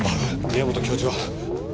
宮本教授は？